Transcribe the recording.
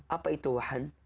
apa itu wahan